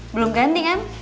belum ganti kan